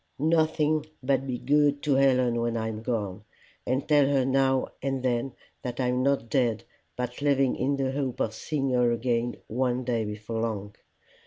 "Nothing but be good to Helen when I am gone, and tell her now and then that I'm not dead, but living in the hope of seeing her again one day before long.